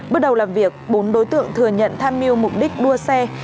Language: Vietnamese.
bước đầu làm việc bốn đối tượng thừa nhận tham mưu mục đích đua xe